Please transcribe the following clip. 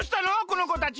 この子たち。